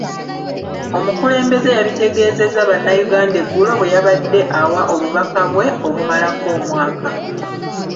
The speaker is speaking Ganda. Omukulembeze yabitegeezezza bannayuganda eggulo bwe yabadde awa obubaka bwe obumalako omwaka.